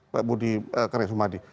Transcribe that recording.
pak budi karyasumadi